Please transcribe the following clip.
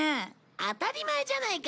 当たり前じゃないか。